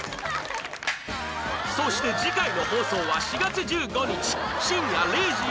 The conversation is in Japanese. そして次回の放送は４月１５日深夜０時より放送